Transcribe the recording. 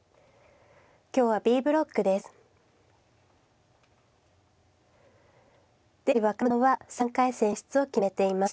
今日はＢブロックです。